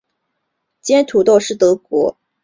煎土豆是德国饮食中一道常见的配菜。